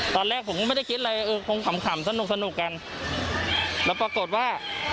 ตอนแรกผมก็ไม่ได้คิดอะไรเออคงขำขำสนุกสนุกกันแล้วปรากฏว่า